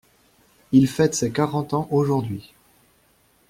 Il fête ses quarante ans aujourd'hui.